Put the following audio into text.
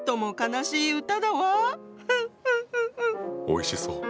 おいしそう。